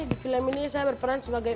di film ini saya berperan sebagai